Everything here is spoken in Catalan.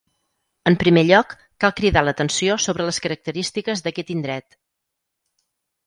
En primer lloc, cal cridar l'atenció sobre les característiques d'aquest indret.